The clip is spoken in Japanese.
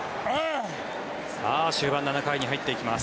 さあ、終盤７回に入っていきます。